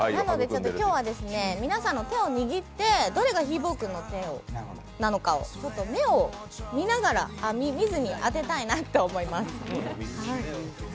今日は皆さんの手を握ってどれがひーぼぉくんの手なのかをちょっと目を見ながらあっ、見ずに当てたいなと思います。